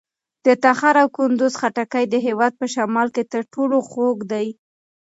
د تخار او کندوز خټکي د هېواد په شمال کې تر ټولو خوږ دي.